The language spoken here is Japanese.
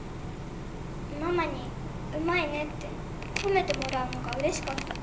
ママに「うまいね」って褒めてもらうのが嬉しかった。